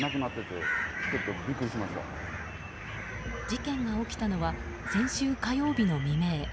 事件が起きたのは先週火曜日の未明。